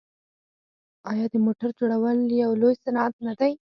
آیا د موټرو جوړول یو لوی صنعت نه دی؟